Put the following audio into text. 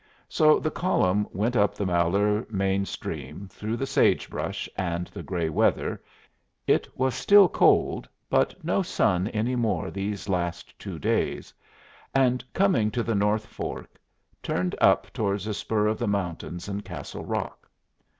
So the column went up the Malheur main stream through the sage brush and the gray weather (it was still cold, but no sun any more these last two days), and, coming to the North Fork, turned up towards a spur of the mountains and Castle Rock.